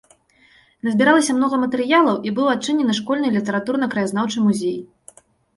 Назбіралася многа матэрыялаў і быў адчынены школьны літаратурна-краязнаўчы музей.